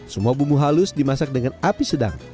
semua bumbu halus dimasak dengan api sedang